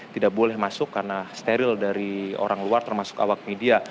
tidak boleh masuk karena steril dari orang luar termasuk awak media